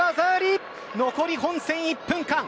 残り本戦１分間。